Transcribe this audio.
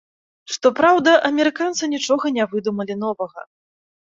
Што праўда, амерыканцы нічога не выдумалі новага.